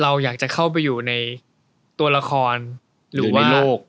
เราอยากจะเข้าไปอยู่ในตัวละครหรือว่าโลก